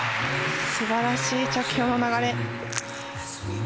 すばらしい着氷の流れ。